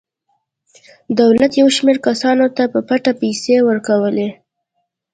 دولت یو شمېر کسانو ته په پټه پیسې ورکولې.